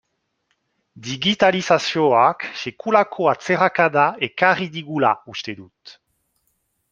Digitalizazioak sekulako atzerakada ekarri digula uste dut.